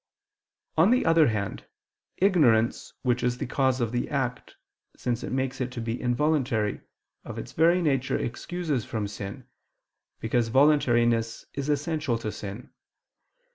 On the other hand, ignorance which is the cause of the act, since it makes it to be involuntary, of its very nature excuses from sin, because voluntariness is essential to sin.